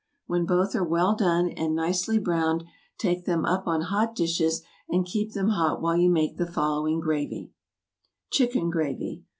When both are well done, and nicely browned, take them up on hot dishes, and keep them hot while you make the following gravy: =Chicken Gravy.